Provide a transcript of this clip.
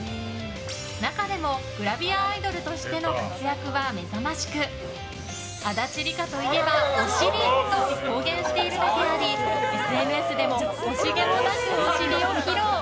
中でもグラビアアイドルとしての活躍はめざましく足立梨花といえばお尻と公言しているだけありＳＮＳでも惜しげもなくお尻を披露。